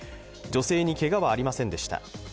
女性にけがはありませんでした。